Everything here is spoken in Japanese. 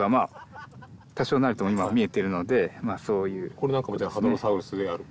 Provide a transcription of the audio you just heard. これなんかもじゃあハドロサウルスであると？